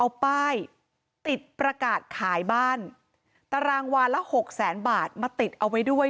เอาป้ายติดประกาศขายบ้านตารางวานละหกแสนบาทมาติดเอาไว้ด้วย